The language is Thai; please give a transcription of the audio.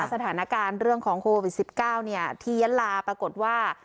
สถานการณ์เรื่องของโควิด๑๙ที่ยะลาปรากฏว่า